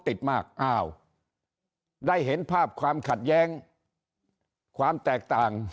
ติดมากอ้าวได้เห็นภาพความขัดแย้งความแตกต่าง